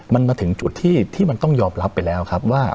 มันมาถึงจุดที่มันต้องยอมรับไปแล้วครับว่า